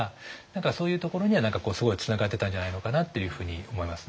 何かそういうところには何かすごいつながってたんじゃないのかなっていうふうに思いますね。